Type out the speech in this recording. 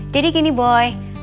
jadi gini boy